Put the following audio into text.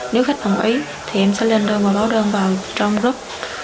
nếu khách đồng ý thì em sẽ lên đơn bà báo đơn vào trong group